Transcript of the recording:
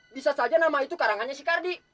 bisa saja nama itu karangannya sikardi